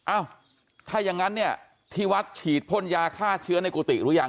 เอ้าถ้าอย่างนั้นเนี่ยที่วัดฉีดพ่นยาฆ่าเชื้อในกุฏิหรือยัง